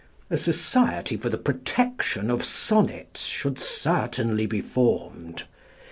A society for the protection of sonnets should certainly be formed.